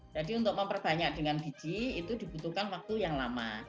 jadi untuk memperbanyak dengan biji itu dibutuhkan waktu yang lama